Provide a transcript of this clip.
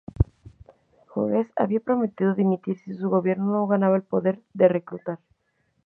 Hughes había prometido dimitir si su Gobierno no ganaba el poder de reclutar.